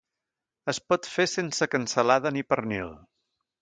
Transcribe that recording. Es pot fer sense cansalada ni pernil.